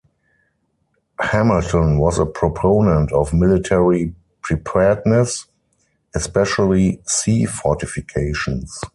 Hamilton was a proponent of military preparedness, especially sea fortifications.